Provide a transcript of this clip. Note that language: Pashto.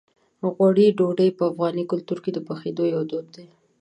غوړي ډوډۍ په افغاني کلتور کې د پخېدو یو دود دی.